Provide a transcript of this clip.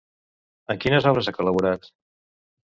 En quines obres ha col·laborat?